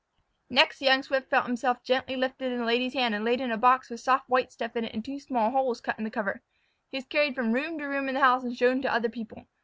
Next the young Swift felt himself lifted gently in the Lady's hand and laid in a box with soft white stuff in it and two small holes cut in the cover. He was carried from room to room in the house and shown to other people.